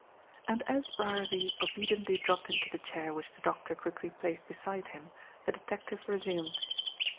And as Brierly obediently dropped into the chair which the doctor quickly placed beside him, the detective resumed.